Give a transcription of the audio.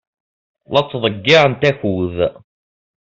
La ttḍeyyiɛent akud.